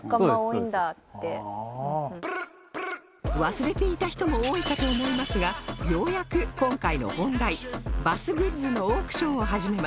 忘れていた人も多いかと思いますがようやく今回の本題バスグッズのオークションを始めます